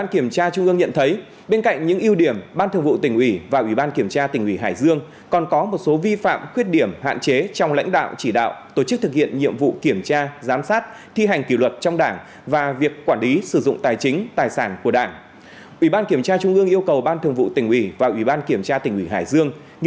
bảy xem xét kết quả kiểm tra việc thực hiện nhiệm vụ kiểm tra giám sát thi hành kỷ luật trong đảng đối với ban thường vụ tỉnh ủy và ủy ban kiểm tra tỉnh ủy hải dương